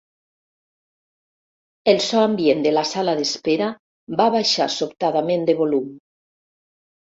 El so ambient de la sala d'espera va baixar sobtadament de volum.